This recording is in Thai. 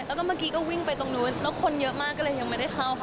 แล้วก็เมื่อกี้ก็วิ่งไปตรงนู้นแล้วคนเยอะมากก็เลยยังไม่ได้เข้าค่ะ